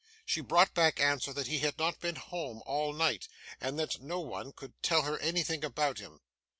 She brought back answer that he had not been home all night, and that no one could tell her anything about him.